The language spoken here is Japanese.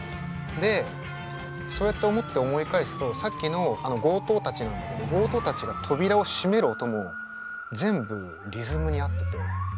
でそうやって思って思い返すとさっきの強盗たちなんだけど強盗たちが扉を閉める音も全部リズムに合ってて。